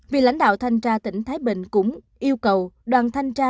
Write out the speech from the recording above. vị lãnh đạo thanh cha tỉnh thái bình cũng yêu cầu đoàn thanh cha